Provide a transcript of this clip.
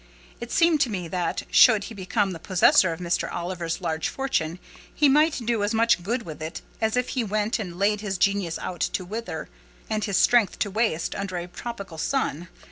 It seemed to me that, should he become the possessor of Mr. Oliver's large fortune, he might do as much good with it as if he went and laid his genius out to wither, and his strength to waste, under a tropical sun.